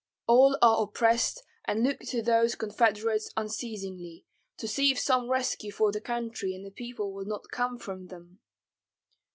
All are oppressed and look to those confederates unceasingly, to see if some rescue for the country and the people will not come from them."